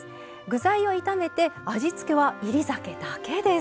具材を炒めて味付けは煎り酒だけです。